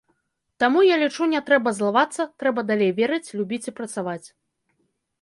Таму, я лічу, не трэба злавацца, трэба далей верыць, любіць і працаваць.